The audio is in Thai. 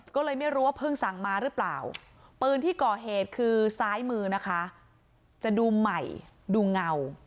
ก็เลยไม่รู้ว่าเพิ่งสั่งมาหรือเปล่าปืนที่ก่อเหตุคือซ้ายมือนะคะจะดูใหม่ดูเงา